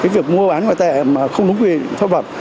việc mua bán ngoại tệ mà không đúng quy định pháp luật